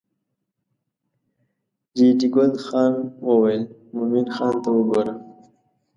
ریډي ګل خان وویل مومن خان ته وګوره.